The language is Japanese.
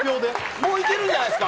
もういけるんじゃないですか。